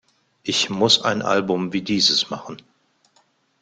Ich muss ein Album wie dieses machen‘“.